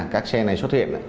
các xe này xuất hiện